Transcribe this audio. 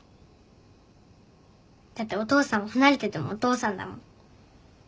だってお父さんは離れててもお父さんだもん。